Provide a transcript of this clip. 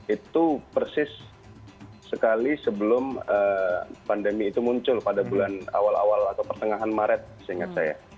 itu persis sekali sebelum pandemi itu muncul pada bulan awal awal atau pertengahan maret seingat saya